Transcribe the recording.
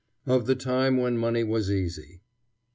OF THE TIME WHEN MONEY WAS "EASY."